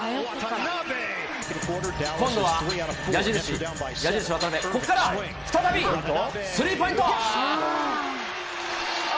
今度は矢印、矢印、渡邊、ここから再びスリーポイント。